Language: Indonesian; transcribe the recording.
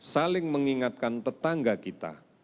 saling mengingatkan tetangga kita